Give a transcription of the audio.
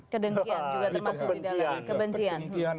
kedengkian juga termasuk